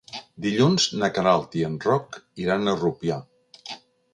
Dilluns na Queralt i en Roc iran a Rupià.